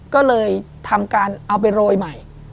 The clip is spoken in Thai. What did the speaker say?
ก็เลยทำการเอาไปโรยใหม่